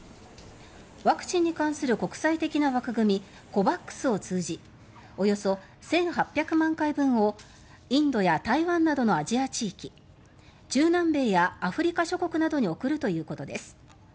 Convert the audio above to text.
ワクチンに関する国際的な枠組みＣＯＶＡＸを通じおよそ１８００万回分をインドや台湾などのアジア地域中南米やアフリカ諸国などに送るということです。